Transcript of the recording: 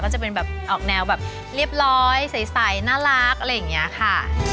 จะเป็นแบบออกแนวแบบเรียบร้อยใสน่ารักอะไรอย่างนี้ค่ะ